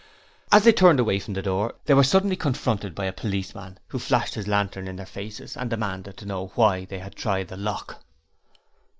As they turned away from the door, they were suddenly confronted by a policeman who flashed his lantern in their faces and demanded to know why they had tried the lock...